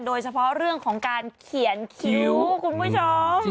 โดยเฉพาะเรื่องของการเขียนคิ้วคุณผู้ชม